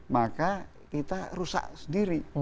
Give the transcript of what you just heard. maka kita rusak sendiri